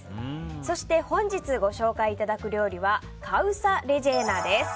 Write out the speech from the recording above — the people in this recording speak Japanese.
そして本日ご紹介いただく料理はカウサ・レジェーナです。